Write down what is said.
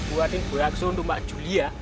buatin beraksur untuk mbak julia